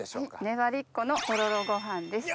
ねばりっこのとろろご飯です。